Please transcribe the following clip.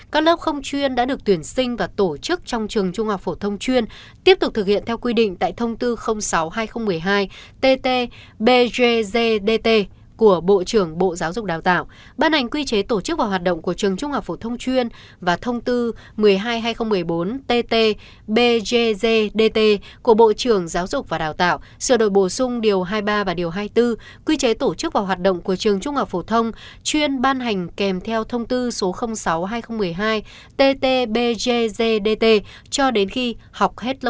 các lớp không chuyên đã được tuyển sinh và tổ chức trong trường trung học phổ thông chuyên tiếp tục thực hiện theo quy định tại thông tư sáu hai nghìn một mươi hai ttbgzdt của bộ trường bộ giáo dục đào tạo ban hành quy chế tổ chức và hoạt động của trường trung học phổ thông chuyên và thông tư một mươi hai hai nghìn một mươi bốn ttbgzdt của bộ trường giáo dục và đào tạo sửa đổi bổ sung điều hai mươi ba và điều hai mươi bốn quy chế tổ chức và hoạt động của trường trung học phổ thông chuyên ban hành kèm theo thông tư sáu hai nghìn một mươi hai ttbgzdt của bộ trường giáo dục và đào tạo